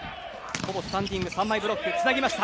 ここもスタンディング３枚ブロック、つなぎました！